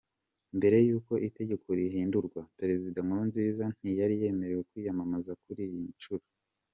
Mbere y’uko itegeko rihindurwa, Perezida Nkurunziza ntiyari yemerewe kwiyamamaza kuri iyi nshuro.